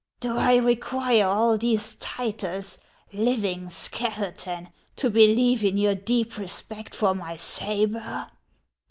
Do I require all these titles, living skeleton, to believe in your deep respect for my sabre